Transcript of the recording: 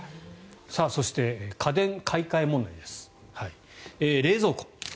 そして家電買い替え問題冷蔵庫。